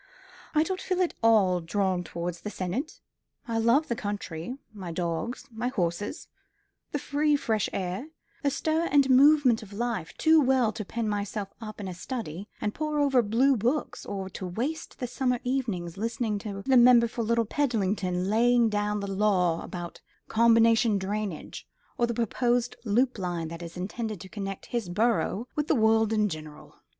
"I don't feel at all drawn towards the senate. I love the country, my dogs, my horses, the free fresh air, the stir and movement of life too well to pen myself up in a study and pore over blue books, or to waste the summer evenings listening to the member for Little Peddlington laying down the law about combination drainage, or the proposed loop line that is intended to connect his borough with the world in general.